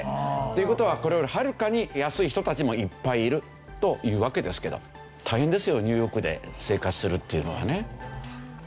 という事はこれよりはるかに安い人たちもいっぱいいるというわけですけど大変ですよニューヨークで生活するっていうのはね。